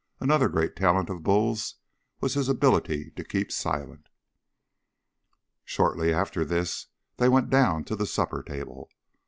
Another great talent of Bull's was his ability to keep silent. Shortly after this they went down to the supper table.